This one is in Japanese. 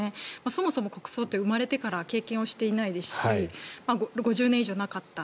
そもそも国葬って生まれてから経験をしていないですし５０年以上なかった。